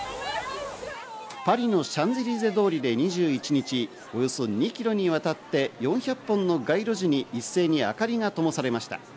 パリのシャンゼリゼ通りで２１日、およそ２ｋｍにわたって４００本の街路樹に一斉にあかりがともされました。